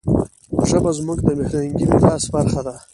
ژبه زموږ د فرهنګي میراث برخه ده.